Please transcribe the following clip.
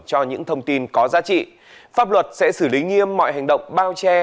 cho những thông tin có giá trị pháp luật sẽ xử lý nghiêm mọi hành động bao che